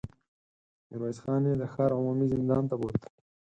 ميرويس خان يې د ښار عمومي زندان ته بوت.